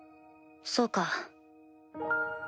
そうか。